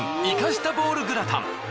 イカしたボールグラタン